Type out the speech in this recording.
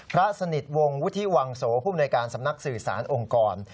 พระสนิทวงศ์วุฒิวังโสภูมิในการสำนักสื่อสารองค์กร